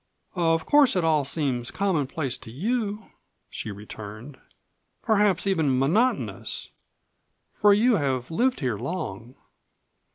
"Of course it all seems commonplace to you," she returned; "perhaps even monotonous. For you have lived here long."